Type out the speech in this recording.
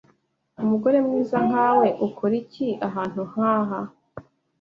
Umugore mwiza nkawe ukora iki ahantu nkaha?